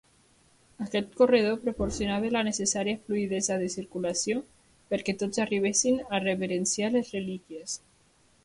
Aquest corredor proporcionava la necessària fluïdesa de circulació perquè tots arribessin a reverenciar les relíquies.